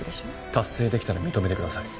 達成できたら認めてください。